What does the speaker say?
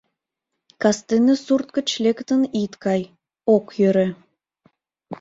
Кастене сурт гыч лектын ит кай — ок йӧрӧ.